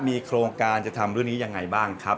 มีโครงการจะทำเรื่องนี้ยังไงบ้างครับ